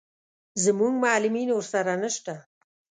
زموږ معلمین ورسره نه شته.